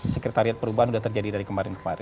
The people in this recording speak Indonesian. sekretariat perubahan sudah terjadi dari kemarin kemarin